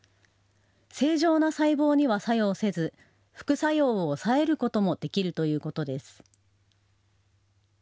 正常な細胞には作用せず副作用を抑えることもできるということです。